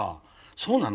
そうなの？